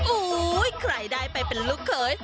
อุ๊ยใครได้ไปเป็นลูกเคย